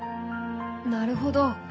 なるほど。